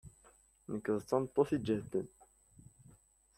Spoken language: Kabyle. Nekk d tameṭṭut iǧehden.